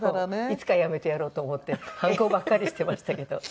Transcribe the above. いつか辞めてやろうと思って反抗ばっかりしてましたけど。